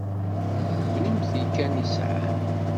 D kennemti kan i sɛan.